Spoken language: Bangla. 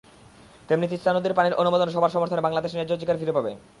তেমনি তিস্তা নদীর পানির অনুমোদনও সবার সমর্থনে বাংলাদেশ ন্যায্য অধিকার ফিরে পাবে।